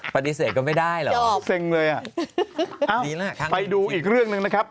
ปฏิเสธก็ไม่ได้เหรอเซ็งเลยอ่ะดีแล้วไปดูอีกเรื่องหนึ่งนะครับ